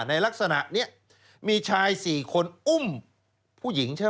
ในลักษณะนี้มีชาย๔คนอุ้มผู้หญิงใช่ไหม